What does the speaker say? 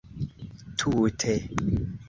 tute